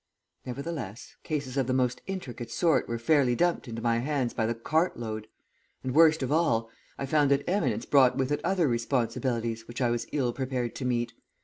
Nevertheless, cases of the most intricate sort were fairly dumped into my hands by the cart load, and, worst of all, I found that eminence brought with it other responsibilities which I was ill prepared to meet.